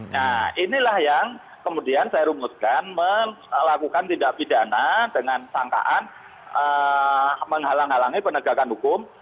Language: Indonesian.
nah inilah yang kemudian saya rumuskan melakukan tindak pidana dengan sangkaan menghalang halangi penegakan hukum